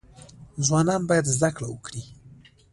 ځوانان باید زده کړه وکړي